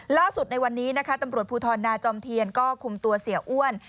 ในวันนี้นะคะตำรวจภูทรนาจอมเทียนก็คุมตัวเสียอ้วน